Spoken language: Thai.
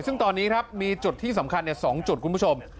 ซึ่งตอนนี้ครับมีจุดที่สำคัญ๒จุดคุณผู้ชม